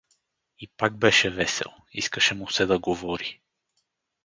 И пак беше весел, искаше му се да говори.